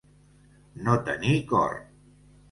No tenir cor.